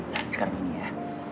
dan sekarang gini ya